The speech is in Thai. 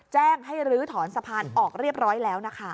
แจ้งให้ลื้อถอนสะพานออกเรียบร้อยแล้วนะคะ